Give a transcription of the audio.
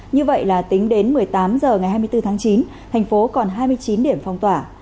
như vậy là tính đến một mươi tám h ngày hai mươi bốn tháng chín thành phố còn hai mươi chín điểm phong tỏa